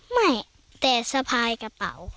ไม่แต่สะพายกระเป๋า